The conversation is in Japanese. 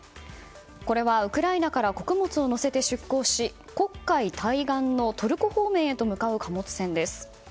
これはウクライナから穀物を乗せて出港し黒海対岸のトルコ方面へと向かう貨物船です。